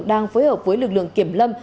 đang phối hợp với lực lượng kiểm lâm